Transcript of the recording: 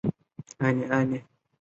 此局着重车卒运用技巧。